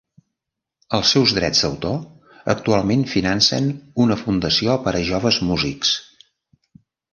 Els seus drets d'autor actualment financen una fundació per a joves músics.